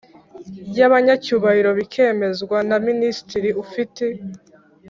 y abanyacyubahiro bikemezwa na Minisitiri ufite